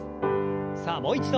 さあもう一度。